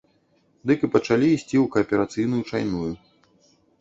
Дык і пачалі ісці ў кааперацыйную чайную.